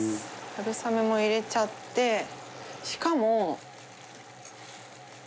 春雨も入れちゃってしかも。